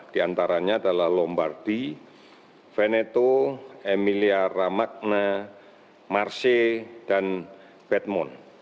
di antaranya adalah lombardi veneto emilia romagna marseille dan batmone